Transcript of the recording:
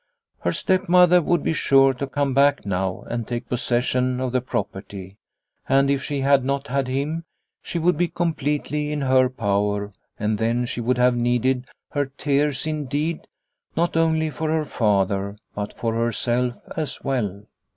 Her step mother would be sure to come back now and take possession of the property, and if she had not had him she would be completely in her power and then she would have needed her tears indeed, not only for her father, but for herself as well.